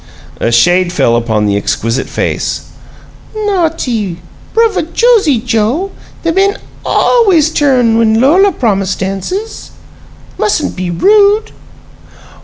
A shade fell upon the exquisite face. "No'ty. Bruvva Josie Joe! The Men ALWAYS tum when Lola promises dances. Mustn't be rude!"